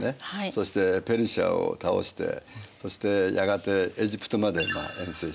そしてペルシアを倒してそしてやがてエジプトまで遠征していくという。